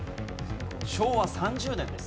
昭和３０年です。